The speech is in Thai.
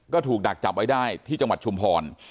ก็ถูกดักจับไว้ได้ที่จังหวัดชุมพร